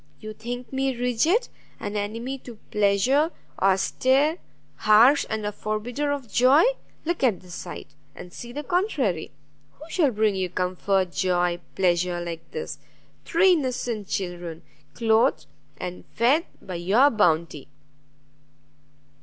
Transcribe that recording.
you think me rigid, an enemy to pleasure, austere, harsh, and a forbidder of joy: look at this sight, and see the contrary! who shall bring you comfort, joy, pleasure, like this? three innocent children, clothed and fed by your bounty!"